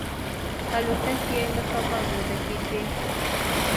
الوتکې له کبانو ډکې ځي.